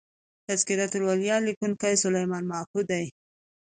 " تذکرة الاولیا" لیکونکی سلیمان ماکو دﺉ.